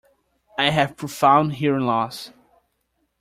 I have profound hearing loss.